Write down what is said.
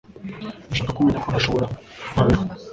Ndashaka ko umenya ko ntashobora kuhaba ejo